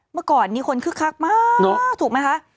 เมื่อก่อนนี้คนคึกคักมากถูกไหมคะ